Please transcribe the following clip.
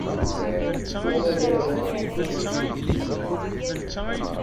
Amagrad-a ur yesɛi ara akk azal.